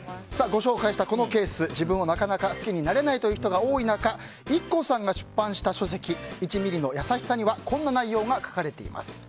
ご紹介したこのケース自分をなかなか好きになれないという人が多い中ＩＫＫＯさんが出版した書籍「１ミリの優しさ」にはこんな内容が書かれています。